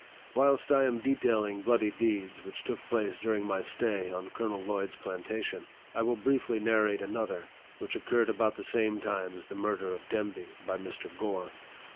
Whilst I am detailing bloody deeds which took place during my stay on Colonel Lloyd's plantation, I will briefly narrate another, which occurred about the same time as the murder of Demby by Mr. Gore.